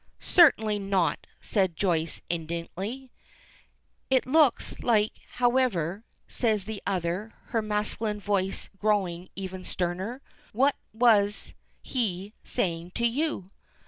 "Certainly not," says Joyce, indignantly. "It looks like it, however," says the other, her masculine voice growing even sterner. "What was he saying to you?"